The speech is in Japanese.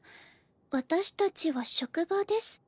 「私たちは職場です。